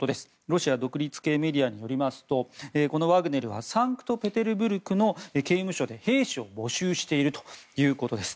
ロシア独立系メディアによりますとこのワグネルはサンクトペテルブルクの刑務所で兵士を募集しているということです。